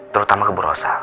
terutama keburu osa